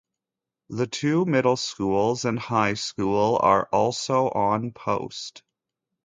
The two middle schools and high school are also on-post.